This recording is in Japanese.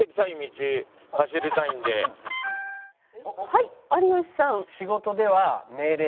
はい有吉さん。